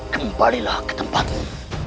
kembalilah ke tempat ini